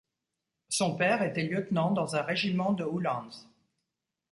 Son père était lieutenant dans un régiment de uhlans.